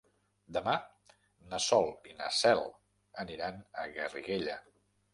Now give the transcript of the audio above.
Demà na Sol i na Cel aniran a Garriguella.